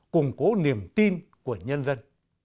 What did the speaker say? củng cố niềm tin của nhân dân